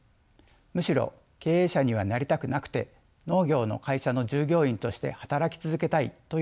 むしろ経営者にはなりたくなくて農業の会社の従業員として働き続けたいという若者も多いのです。